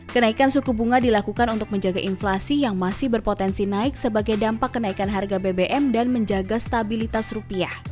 kenaikan suku bunga dilakukan untuk menjaga inflasi yang masih berpotensi naik sebagai dampak kenaikan harga bbm dan menjaga stabilitas rupiah